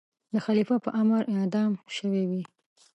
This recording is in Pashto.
د خلیفه په امر اعدام شوی وي.